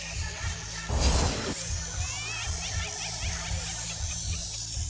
iya banget deh man